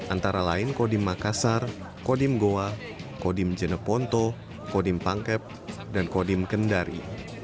antara lain kodim makassar kodim goa kodim jeneponto kodim pangkep dan kodim kendari